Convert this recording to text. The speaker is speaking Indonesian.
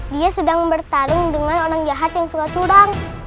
dia sedang bertarung dengan orang jahat yang suka curang